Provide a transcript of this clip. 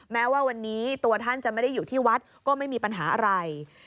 แม้ว่าวันนี้ตัวท่านจะไม่ได้อยู่ที่วัดก็ไม่มีปัญหาอะไร